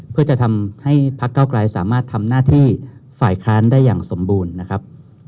เพื่อจะทำให้พักเก้าไกลสามารถทำหน้าที่ฝ่ายค้านได้อย่างสมบูรณ์นะครับ